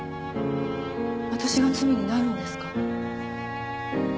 私が罪になるんですか？